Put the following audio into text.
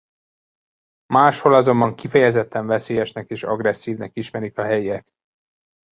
Máshol azonban kifejezetten veszélyesnek és agresszívnek ismerik a helyiek.